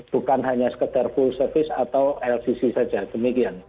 bukan hanya sekedar full service atau lcc saja demikian